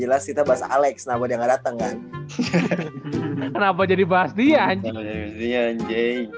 jelas kita bahas alex nabok yang datang kan kenapa jadi bahas dia anjing dia nggak ini